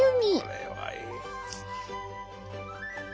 これはいい！